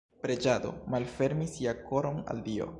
Preĝado: malfermi sia koron al Dio.